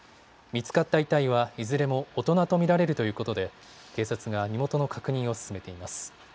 見つかった遺体はいずれも大人と見られるということで警察が身元の確認を進めています。